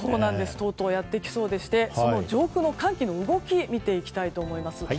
とうとうやってきそうでその上空の寒気の動きを見ていきたいと思います。